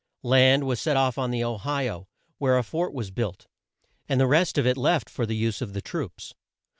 Land was set off on the O hi o where a fort was built, and the rest of it left for the use of the troops.